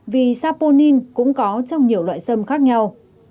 vì saponin cũng có trong nhiều loại sâm khác nhau